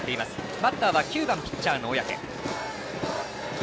バッターは９番、ピッチャー小宅。